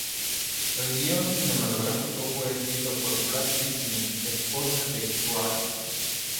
El guion cinematográfico fue escrito por Bradley King, esposa de Wray.